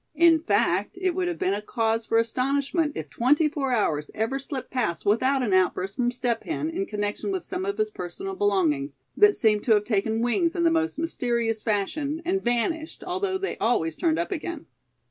In fact, it would have been a cause for astonishment if twenty four hours ever slipped past without an outburst from Step Hen in connection with some of his personal belongings, that seemed to have taken wings in the most mysterious fashion, and vanished, although they always turned up again.